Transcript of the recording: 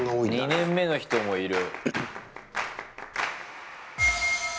２年目の人もいる。